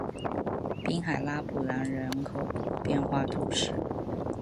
滨海拉普兰人口变化图示